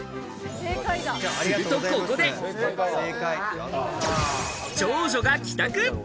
すると、ここで長女が帰宅。